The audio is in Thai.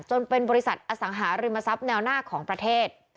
จนเป็นบริษัทอสังหาริมทรัพย์แนวหน้าของประเทศ